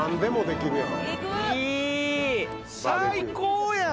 最高やん！